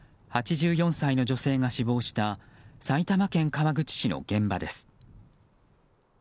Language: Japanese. ８４歳の女性が死亡した埼玉県川口市の現場です。